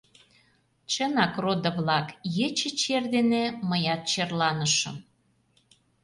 Чынак, родо-влак, ече чер дене мыят черланышым.